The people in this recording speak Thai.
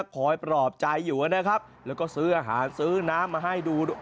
ปลอบใจอยู่นะครับแล้วก็ซื้ออาหารซื้อน้ำมาให้ดู